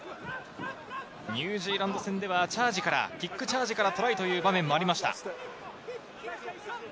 ニュージーランド戦ではキックチャージからトライという場面もありました。